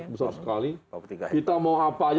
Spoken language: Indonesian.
besar sekali kita mau apa aja